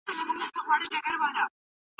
سیاستوال چیري د مدني ټولني ملاتړ کوي؟